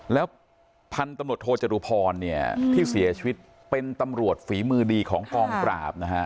แล้วพันธุ์ตำรวจโทจรุพรเนี่ยที่เสียชีวิตเป็นตำรวจฝีมือดีของกองปราบนะฮะ